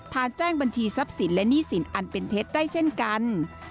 แจ้งบัญชีทรัพย์สินและหนี้สินอันเป็นเท็จได้เช่นกัน